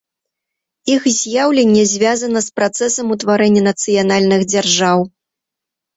Іх з'яўленне звязана з працэсам утварэння нацыянальных дзяржаў.